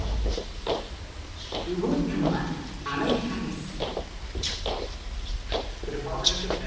動いたのはアメリカです。